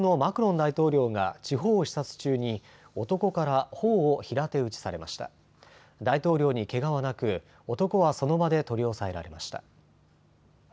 大統領にけがはなく男はその場で取り押さえられました。